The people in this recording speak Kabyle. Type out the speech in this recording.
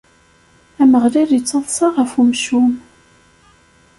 Ameɣlal ittaḍsa ɣef umcum.